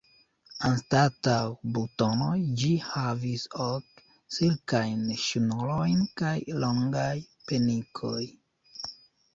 Anstataŭ butonoj ĝi havis ok silkajn ŝnurojn kun longaj penikoj.